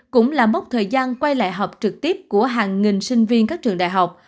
cũng là mốc thời gian quay lại học trực tiếp của hàng nghìn sinh viên các trường đại học